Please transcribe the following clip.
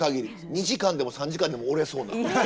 ２時間でも３時間でもおれそうな。